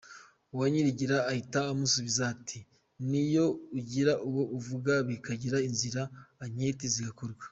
Uwanyirigira ahita amusubiza ati “ N’iyo ugira uwo uvuga bikagira inzira , anketi zigakorwa.